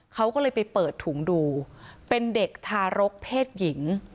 เขาก็เลยไปเปิดถุงดูเป็นเด็กทารกเพศหญิง